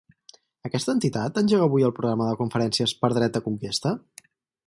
Aquesta entitat engega avui el programa de conferències Per dret de conquesta?